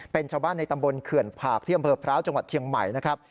เป็นชาวบ้านในตำบลเขื่อนผากที่อำเภอพร้าวจังหวัดเชียงใหม่นะครับ